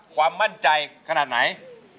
ความมั่นใจขนาดไหน